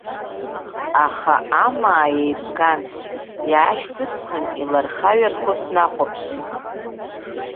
Аха амаа еибган, иаашьҭысхын, илархаҩархо снахәаԥшит.